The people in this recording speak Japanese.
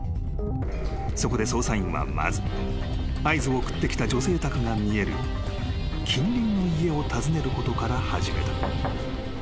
［そこで捜査員はまず合図を送ってきた女性宅が見える近隣の家を訪ねることから始める］